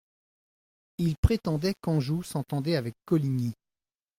Ils prétendaient qu'Anjou s'entendait avec Coligny.